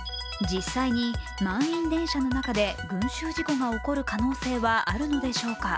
実際に満員電車の中で群集事故が起こる可能性はあるのでしょうか。